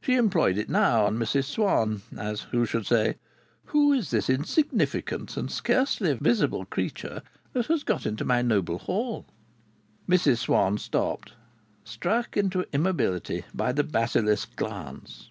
She employed it now on Mrs Swann, as who should say, "Who is this insignificant and scarcely visible creature that has got into my noble hall?" Mrs Swann stopped, struck into immobility by the basilisk glance.